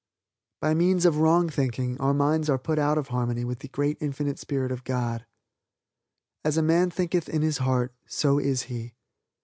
By means of wrong thinking our minds are put out of harmony with the great Infinite spirit of God. "As a man thinketh in his heart so is he."